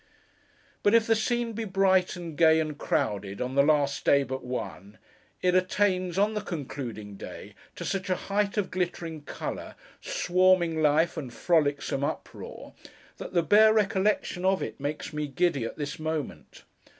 But if the scene be bright, and gay, and crowded, on the last day but one, it attains, on the concluding day, to such a height of glittering colour, swarming life, and frolicsome uproar, that the bare recollection of it makes me giddy at this moment.